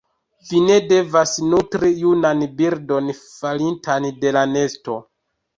Vi ne devas nutri junan birdon falintan de la nesto.